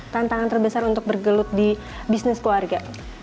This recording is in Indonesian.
tantangan terbesar untuk bergelut di bisnis keluarga